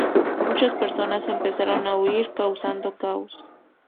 Muchas personas empezaron a huir, causando caos.